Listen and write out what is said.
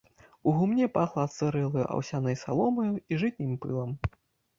У гумне пахла адсырэлаю аўсянаю саломаю і жытнім пылам.